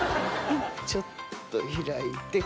ちょっと開いて。